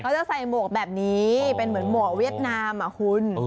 จะใส่หมวกแบบนี้เป็นเหมือนหมวกเวียดนามอ่ะคุณ